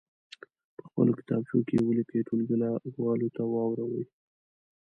په خپلو کتابچو کې یې ولیکئ ټولګیوالو ته واوروئ.